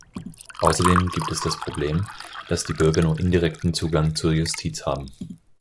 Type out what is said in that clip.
Außerdem gibt es das Problem, dass die Bürger nur indirekten Zugang zur Justiz haben.